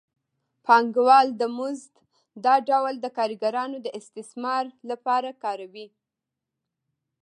پانګوال د مزد دا ډول د کارګرانو د استثمار لپاره کاروي